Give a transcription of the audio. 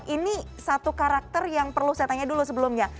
ini satu karakter yang perlu saya tanya dulu sebelumnya